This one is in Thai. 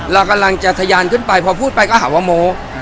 เรากำลังจะทะยานขึ้นไปพอพูดไปก็หาว่าโม้